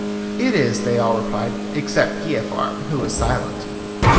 "It is," they all replied, except Giafar, who was silent.